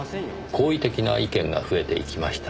好意的な意見が増えていきました。